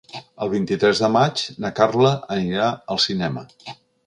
El vint-i-tres de maig na Carla anirà al cinema.